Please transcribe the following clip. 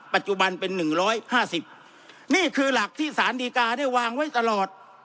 ปัจจุบันเป็นหนึ่งร้อยห้าสิบนี่คือหลักที่ศาลดีกาได้วางไว้ตลอด